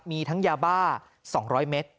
มีทั้งยาบ้า๒๐๐เมตร